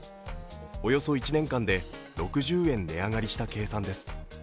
およそ１年間で６０円値上がりした計算です。